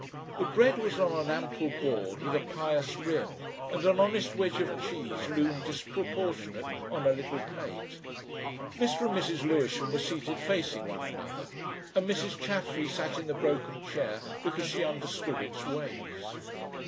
The bread was on an ample board with a pious rim, and an honest wedge of cheese loomed disproportionate on a little plate. Mr. and Mrs. Lewisham were seated facing one another, and Mrs. Chaffery sat in the broken chair because she understood its ways.